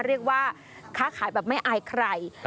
เรียกว่าค้าขายแบบไม่อายใคร